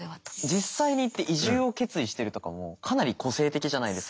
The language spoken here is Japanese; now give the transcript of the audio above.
実際に移住を決意してるとかもかなり個性的じゃないですか。